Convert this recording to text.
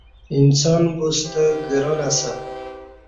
انسان بوستہ گران اسہ